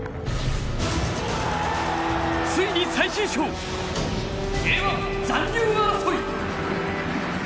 ついに最終章、Ｊ１残留争い。